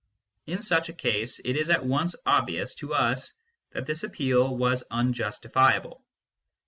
In such a case it is at once obvious to us that this appeal was unjustifiable.